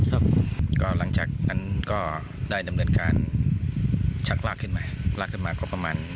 ครับผมก็หลังจากนั้นก็ได้ดำเนินการชักลากขึ้นมาลากขึ้นมาก็ประมาณ